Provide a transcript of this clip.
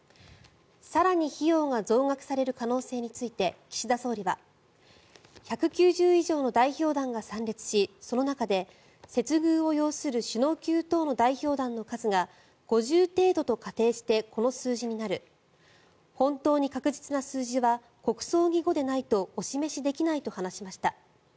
更に費用が増額される可能性について、岸田総理は１９０以上の代表団が参列しその中で接遇を要する首脳級等の代表団の数が５０程度と仮定してこの数字になる本当に確実な数字は国葬儀後でないとお示しできないと話しました。